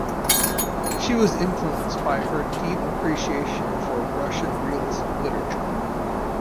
She was influenced by her deep appreciation for Russian realist literature.